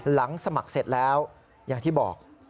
หลังสมัครเสร็จแล้วอย่างที่บอก